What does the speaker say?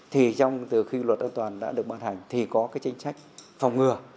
thì trong từ khi luật an toàn đã được ban hành thì có cái chính trách phòng ngừa